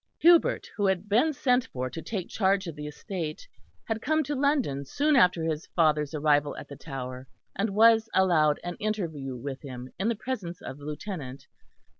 Hubert, who had been sent for to take charge of the estate, had come to London soon after his father's arrival at the Tower; and was allowed an interview with him in the presence of the Lieutenant.